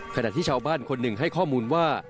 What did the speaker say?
ขณะที่ชาวบ้านคนหนึ่งให้ข้อมูลว่า